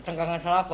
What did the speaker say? tengkaran salah apa